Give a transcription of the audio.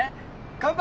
乾杯！